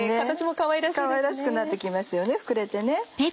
かわいらしくなって来ますよね膨れてね。